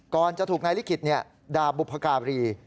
ก่อนจะถูกนายลิขิตด่าบุพการี